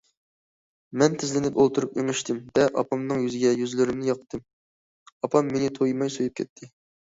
مەن تىزلىنىپ ئولتۇرۇپ ئېڭىشتىم- دە، ئاپامنىڭ يۈزىگە يۈزلىرىمنى ياقتى، ئاپام مېنى تويماي سۆيۈپ كەتتى.